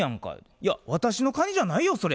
「いや私のカニじゃないよそれ」